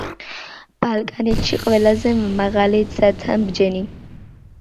ბალკანეთში ყველაზე მაღალი ცათამბჯენი.